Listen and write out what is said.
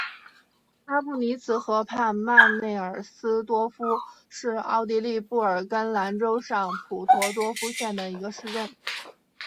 拉布尼茨河畔曼内尔斯多夫是奥地利布尔根兰州上普伦多夫县的一个市镇。